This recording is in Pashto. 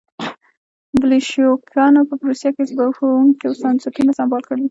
بلشویکانو په روسیه کې ځپونکي بنسټونه سمبال کړل.